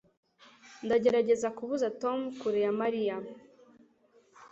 Ndagerageza kubuza Tom kure ya Mariya